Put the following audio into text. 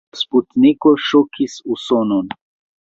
La sputniko ŝokis Usonon.